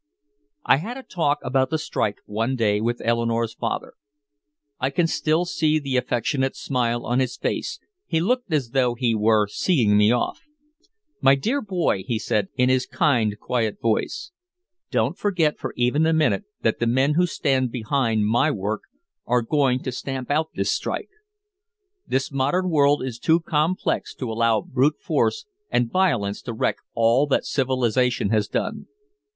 I had a talk about the strike one day with Eleanore's father. I can still see the affectionate smile on his face, he looked as though he were seeing me off. "My dear boy," he said, in his kind quiet voice, "don't forget for even a minute that the men who stand behind my work are going to stamp out this strike. This modern world is too complex to allow brute force and violence to wreck all that civilization has done.